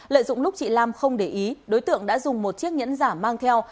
lợi dụng lúc chị lam không để ý đối tượng đã dùng một chiếc nhẫn giả mang theo